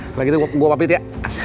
kali gitu gua mau abit ya